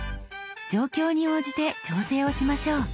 状況に応じて調整をしましょう。